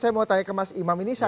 saya mau tanya ke mas imam ini